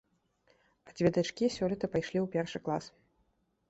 А дзве дачкі сёлета пайшлі ў першы клас.